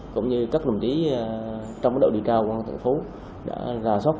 cũng như các đồng chí trong cái đội địa trao quang thành phố đã ra sót